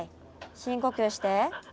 深呼吸して。